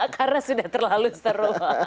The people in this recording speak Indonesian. karena sudah terlalu seru